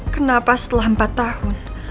kenapa setelah empat tahun